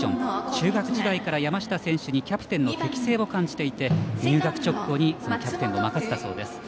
中学時代から山下選手にキャプテンの適性を感じていて入学直後にキャプテンを任せたそうです。